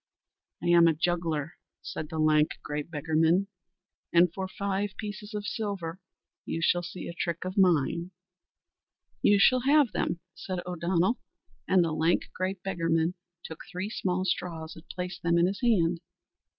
"I am a juggler," said the lank, grey beggarman, "and for five pieces of silver you shall see a trick of mine." "You shall have them," said O'Donnell; and the lank, grey beggarman took three small straws and placed them in his hand.